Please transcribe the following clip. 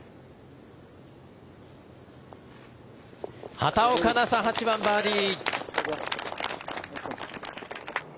畑岡奈紗８番、バーディー。